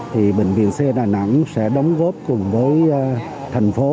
thì bệnh viện c đà nẵng sẽ đóng góp cùng với thành phố